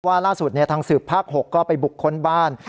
ล่าสุดทางสืบภาค๖ก็ไปบุคคลบ้าน